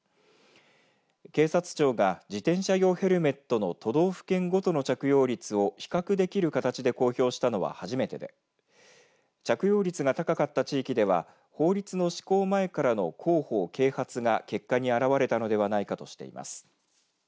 警察庁が自転車用ヘルメットの都道府県ごとの着用率を比較できる形で公表したのは初めてで着用率が高かった地域では法律の施行前からの広報啓発が結果に表れたのではないかとしています。